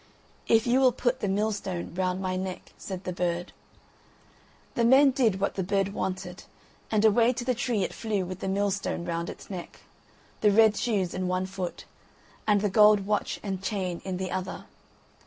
"If you will put the millstone round my neck," said the bird. The men did what the bird wanted and away to the tree it flew with the millstone round its neck, the red shoes in one foot, and the gold watch and chain in the other.